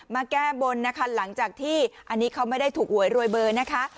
แก้บนนะคะหลังจากที่อันนี้เขาไม่ได้ถูกหวยรวยเบอร์นะคะ